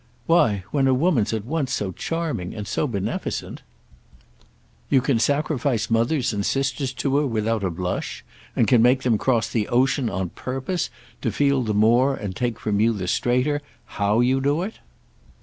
"Why when a woman's at once so charming and so beneficent—" "You can sacrifice mothers and sisters to her without a blush and can make them cross the ocean on purpose to feel the more and take from you the straighter, how you do it?"